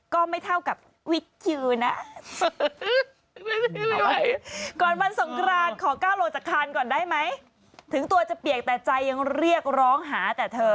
ก็ไม่เท่ากับวิจึนะ